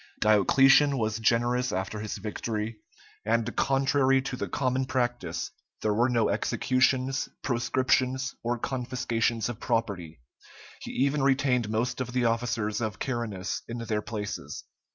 Diocletian was generous after his victory, and, contrary to the common practice, there were no executions, proscriptions, or confiscations of property; he even retained most of the officers of Carinus in their places.